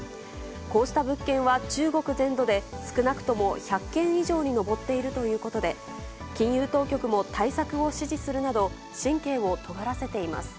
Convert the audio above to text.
こうした物件は中国全土で少なくとも１００件以上に上っているということで、金融当局も対策を指示するなど、神経をとがらせています。